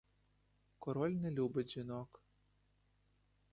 Король не любить жінок.